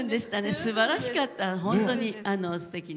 すばらしかった、本当に。